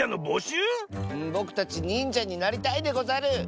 ぼくたちにんじゃになりたいでござる！